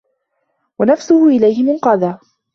وَنَفْسُهُ إلَيْهِ مُنْقَادَةٌ